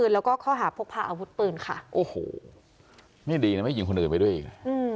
แล้วก็ข้อหาพกพาอาวุธปืนค่ะโอ้โหนี่ดีนะไม่ยิงคนอื่นไปด้วยอีกนะ